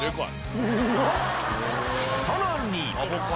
さらに。